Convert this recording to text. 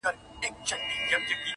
د سیالانو سره کله به سمېږې.